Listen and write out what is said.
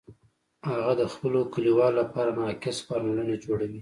هغه د خپلو کلیوالو لپاره ناقص فارمولونه جوړوي